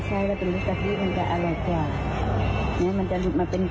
ใช่ถ้าเป็นรสไอติมมันจะอร่อยกว่า